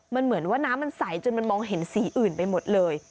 มันเหมือนว่าน้ำมันใสจนมันมองเห็นสีอื่นไปหมดเลย